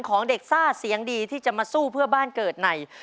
ของเด็กซ่าเสียงดีที่จะมาสู้เพื่อบ้านเกิดใน